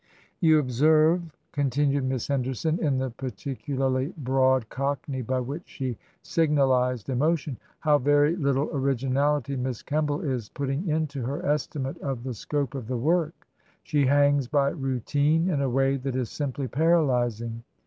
]" You observe," continued Miss Henderson, in the particularly broad cockney by which she signalized emo tion, '* how very little originality Miss Kemball is putting into her estimate of the scope of the work 1 She hangs by routine in a way that is simply paralyzing.